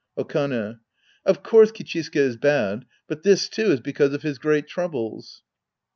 Okane. Of course Kichisuke is bad, but this, too. Is because of his great troubles.